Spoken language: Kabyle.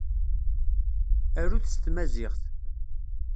Arut s Tmaziɣt.